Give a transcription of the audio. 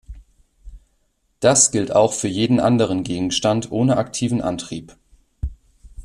Das gilt auch für jeden anderen Gegenstand ohne aktiven Antrieb.